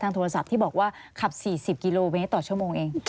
โทรศัพท์ที่บอกว่าขับ๔๐กิโลเมตรต่อชั่วโมงเอง